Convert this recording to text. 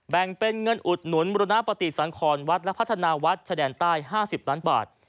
แบ่งเป็นเงินอุดหนุนบุรณปฏิสังครวัดและพัฒนาวัดชะแดนใต้๕๐ล้านบาท